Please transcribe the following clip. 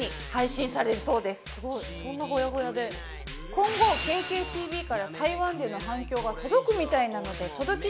今後ＫＫＴＶから台湾での反響が届くみたいなので届き